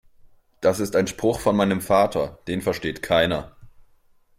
Das ist ein Spruch von meinem Vater. Den versteht keiner.